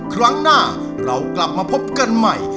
ครั้งหน้าเรากลับมาพบกันใหม่